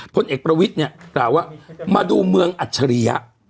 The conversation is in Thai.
พลเอกประวิทย์เนี่ยกล่าวว่ามาดูเมืองอัจฉริยะ